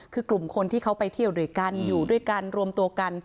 คือกลุ่มคนที่เขาไปเที่ยวด้วยกันอยู่ด้วยกันรวมตัวกัน